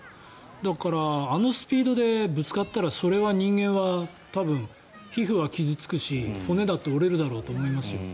だから、あのスピードでぶつかったら、それは人間は多分、皮膚は傷付くし骨だって折れるだろうと思いますよ。